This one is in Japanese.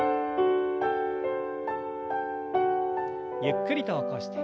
ゆっくりと起こして。